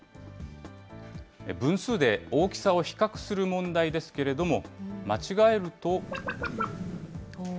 分数で大きさを比較する問題ですけれども、間違えると。